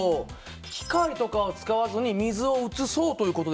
機械とかを使わずに水を移そうという事ですか。